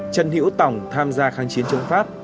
trần hiễu tòng tham gia kháng chiến chống pháp